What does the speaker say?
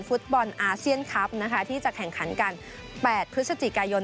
ฟุตบอลอาเซียนคลับนะคะที่จะแข่งขันกัน๘พฤศจิกายน